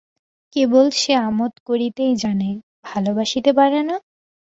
কেবল সে আমোদ করিতেই জানে, ভালোবাসিতে পারে না?